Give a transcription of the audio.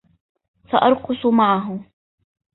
سأرقص معه.